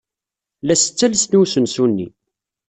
La as-ttalsen i usensu-nni.